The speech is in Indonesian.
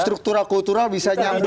struktural kultural bisa nyambung